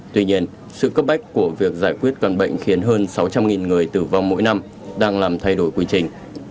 tuy nhiên sự cấp bách của việc giải quyết căn bệnh khiến hơn sáu trăm linh người tử vong mỗi năm đang làm thay đổi quy trình